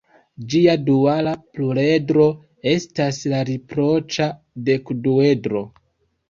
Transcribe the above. Ĝia duala pluredro estas la riproĉa dekduedro.